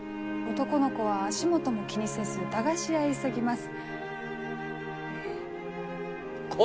男の子は足元も気にせず駄菓子屋へ急ぎます。